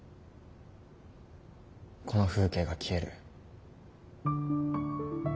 この風景が消える。